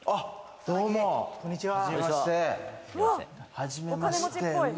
はじめまして。